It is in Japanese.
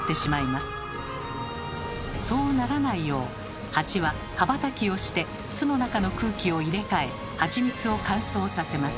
そうならないようハチは羽ばたきをして巣の中の空気を入れ替えハチミツを乾燥させます。